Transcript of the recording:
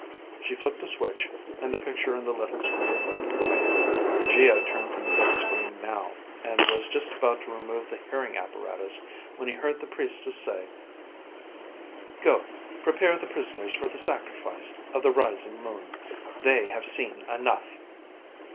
She flipped a switch and the picture on the little screen went gray. Geo turned from the big screen now, and was just about to remove the hearing apparatus when he heard the Priestess say, "Go, prepare the prisoners for the sacrifice of the rising moon. They have seen enough."